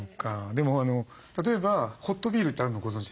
でも例えばホットビールってあるのご存じですか？